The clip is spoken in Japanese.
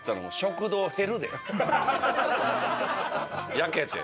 焼けて。